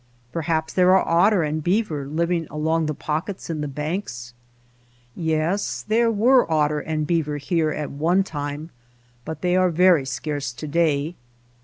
Perhaps there are otter and beaver living along the pockets in the banks ? Yes ; there were otter and beaver here at one time, but they are very scarce to day.